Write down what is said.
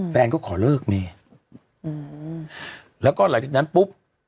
แฟนก็ขอเลิกแล้วก็หลายที่นั้นปุ๊บ